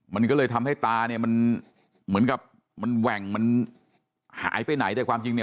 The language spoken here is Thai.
มันก็เลยทำให้ตาเนี่ยมันเหมือนกับมันแหว่งมันหายไปไหนแต่ความจริงเนี่ย